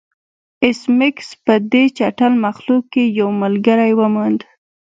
ایس میکس په دې چټل مخلوق کې یو ملګری وموند